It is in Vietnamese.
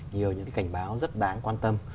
nhiều những cái cảnh báo rất đáng quan tâm